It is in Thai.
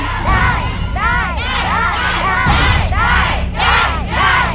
ได้